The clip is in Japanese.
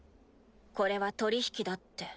これは取り引きだって。